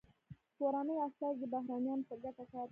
کورني استازي د بهرنیانو په ګټه کار کوي